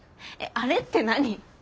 えっあれって何？